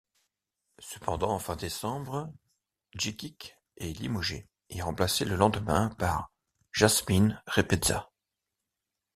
Cependant, fin décembre, Džikić est limogé et remplacé le lendemain par Jasmin Repeša.